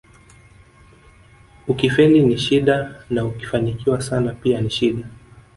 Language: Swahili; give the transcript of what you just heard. Ukifeli ni shida na ukifanikiwa sana pia ni shida